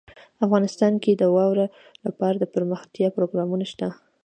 افغانستان کې د واوره لپاره دپرمختیا پروګرامونه شته.